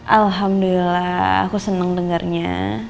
alhamdulillah aku seneng dengarnya